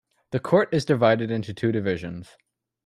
The court is divided into two divisions.